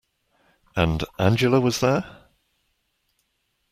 And Angela was there?